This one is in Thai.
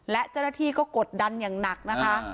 และเจ้าหน้าที่ก็กดดันอย่างหนักนะคะ